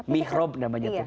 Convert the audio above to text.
mihrob namanya tuh